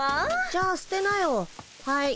じゃあ捨てなよはい。